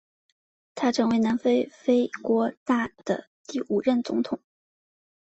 他成为南非非国大的第五任总统。